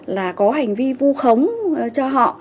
là có hành vi vu khống cho họ